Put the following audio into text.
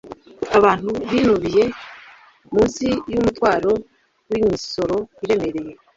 abantu binubiye munsi yumutwaro wimisoro iremereye